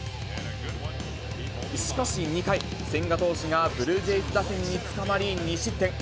しかし２回、千賀投手がブルージェイズ打線に捕まり、２失点。